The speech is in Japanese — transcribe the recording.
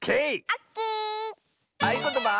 「あいことば」。